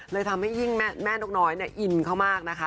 เลยทำให้ยิ่งแม่นกน้อยอินเขามากนะคะ